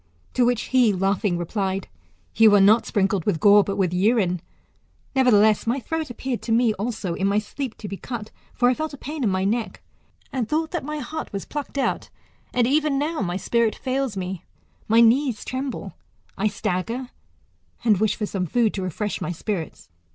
To which he laughing replied, You are not sprinkled with gore, but with urine ; nevertheless, my throat appeared to me also, in my sleep, to be cut : for I felt a pain in my neck, and thought that my heart was plucked out : and even now my spirit fails me, my knees tremble, I stagger, and wish for some food to refresh my spirits.